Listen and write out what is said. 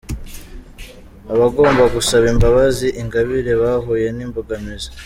Abagomba gusaba imbabzi Ingabire bahuye n’imbogamizi.